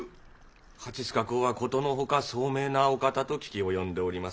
蜂須賀公は殊の外聡明なお方と聞き及んでおります。